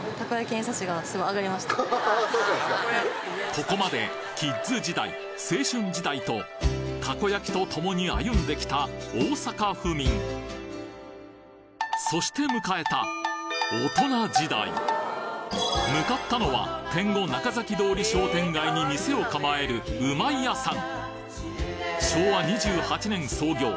ここまでキッズ時代青春時代とたこ焼きと共に歩んできた大阪府民そして迎えた向かったのは天五中崎通商店街に店を構える昭和２８年創業。